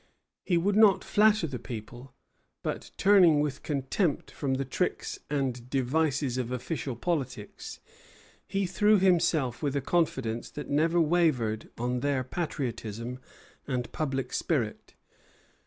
He would not flatter the people; but, turning with contempt from the tricks and devices of official politics, he threw himself with a confidence that never wavered on their patriotism and public spirit.